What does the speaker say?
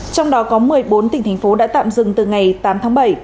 trong đó có một mươi bốn tỉnh thành phố đã tạm dừng từ ngày tám tháng bảy